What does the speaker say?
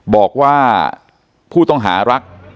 บอกว่าผู้ต้องหารัก